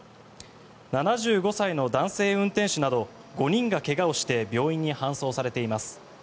７５歳の男性運転手など５人が怪我をして病院に搬送されています。